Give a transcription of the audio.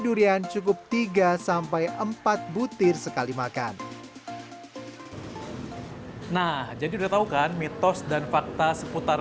durian cukup tiga sampai empat butir sekali makan nah jadi udah tau kan mitos dan fakta seputar